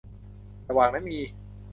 ระหว่างนั้นมี